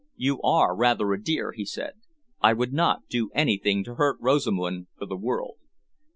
"You are rather a dear," he said. "I would not do anything to hurt Rosamund for the world."